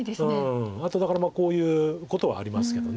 あとだからこういうことはありますけど。